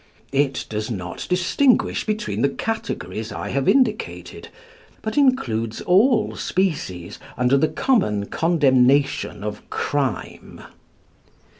It does not distinguish between the categories I have indicated, but includes all species under the common condemnation of crime.